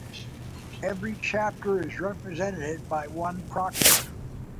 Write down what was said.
Every chapter is represented by one proctor.